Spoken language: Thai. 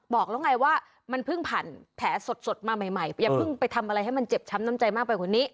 บอกแล้วไงว่ามันเพิ่งผ่านแผลสดมาใหม่อย่าเพิ่งไปทำอะไรให้มันเจ็บช้ำน้ำใจมากไปกว่านี้